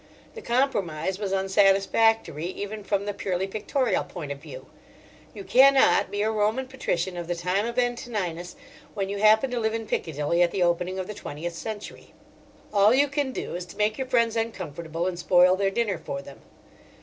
The compromise was unsatisfactory, even from the purely pictorial point of view. You cannot be a Roman patrician of the time of Antoninus when you happen to live in Piccadilly at the opening of the twentieth century. All you can do is to make your friends uncomfortable and spoil their dinner for them.